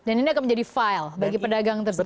dan ini akan menjadi file bagi pedagang tersebut